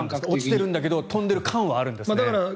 落ちてるんだけど飛んでる感はあるんですね。